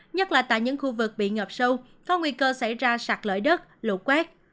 nhất là tại những khu vực bị ngập sâu có nguy cơ xảy ra sạt lỡ đất lũ quét